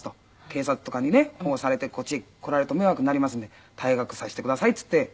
警察とかにね保護されてこっちへ来られると迷惑になりますんで「退学させてください」って言って。